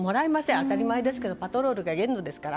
当たり前ですけどパトロールが限度ですから。